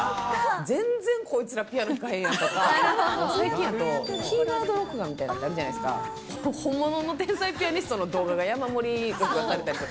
全然こいつらピアノ弾かへんやんとか、最近あと、キーワード録画みたいのあるじゃないですか、ほんまもんの天才ピアニストとの動画が山盛り流されたりとか。